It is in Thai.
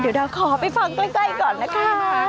เดี๋ยวเราขอไปฟังใกล้ก่อนนะคะ